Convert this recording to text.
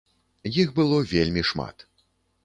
Іх было вельмі шмат.